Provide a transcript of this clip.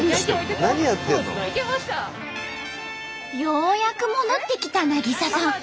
ようやく戻ってきた渚さん。